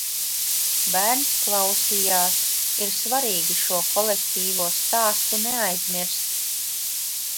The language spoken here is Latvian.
Bērns klausījās. Ir svarīgi šo kolektīvo stāstu neaizmirst.